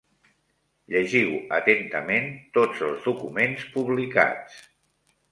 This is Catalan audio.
Llegiu atentament tots els documents publicats.